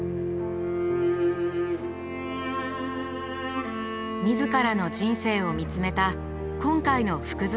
みずからの人生を見つめた今回の服づくり。